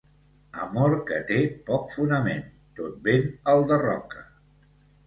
Amor que té poc fonament, tot vent el derroca.